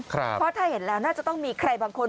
เพราะถ้าเห็นแล้วน่าจะต้องมีใครบางคน